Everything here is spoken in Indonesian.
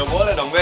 ya boleh dong be